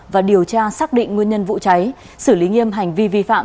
và điều tra xác định nguyên nhân vụ cháy xử lý nghiêm hành vi vi phạm